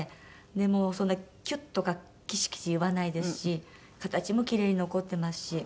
でもうそんなキュッとかキシキシいわないですし形もキレイに残ってますし。